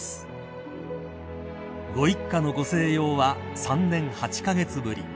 ［ご一家のご静養は３年８カ月ぶり］